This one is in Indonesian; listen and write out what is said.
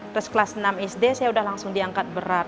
terus kelas enam sd saya udah langsung diangkat berat